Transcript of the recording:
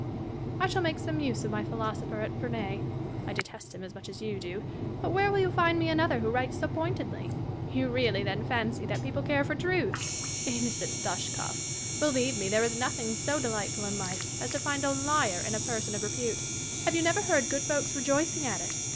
Catharine. I shall make some use of my philosopher at Ferney. I detest him as much as you do ; but where will you find me another who writes so pointedly % You really, then, fancy that people care for truth ? Innocent Dashkof ! Believe me, there is nothing so delightful in life as to find a liar in a person of repute. Have you never heard good folks rejoicing at it